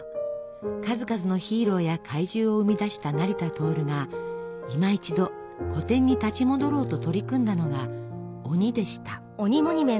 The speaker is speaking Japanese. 数々のヒーローや怪獣を生み出した成田亨が今一度古典に立ち戻ろうと取り組んだのが「鬼」でした。